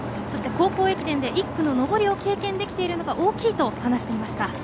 そして、高校駅伝で１区の上りを経験できているのが大きいと話していました。